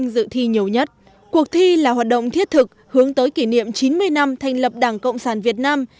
dự thi nhiều nhất cuộc thi là hoạt động thiết thực hướng tới kỷ niệm chín mươi năm thành lập đảng cộng sản việt nam